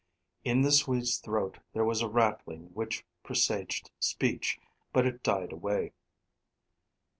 In the Swede's throat there was a rattling, which presaged speech, but it died away.